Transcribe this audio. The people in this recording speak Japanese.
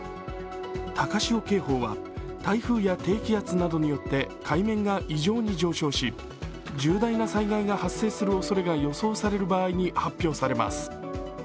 高潮警報は台風や低気圧などによって海面が異常に上昇し重大な災害が発生するおそれが予想される場合に発表されます。